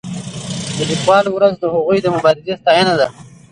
د لیکوالو ورځ د هغوی د مبارزې ستاینه ده.